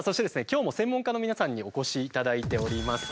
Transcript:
今日も専門家の皆さんにお越しいただいております。